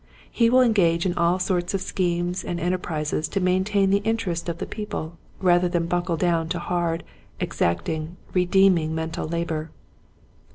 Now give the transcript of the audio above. He will engage in all sorts of schemes and enterprizes to maintain the inter est of the people, rather than buckle down to hard, exacting, redeeming men tal labor.